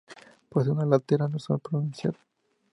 Posee una aleta dorsal pronunciada.